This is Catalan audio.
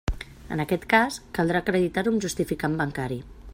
En aquest cas, caldrà acreditar-ho amb justificant bancari.